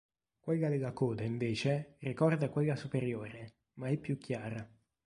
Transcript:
Quella della coda, invece, ricorda quella superiore, ma è più chiara.